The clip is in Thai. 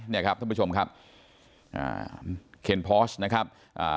นี่ครับท่านผู้ชมครับเคนพอร์ชนะครับ